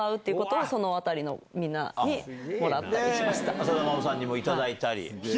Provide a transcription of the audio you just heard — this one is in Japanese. で浅田真央さんにも頂いたり。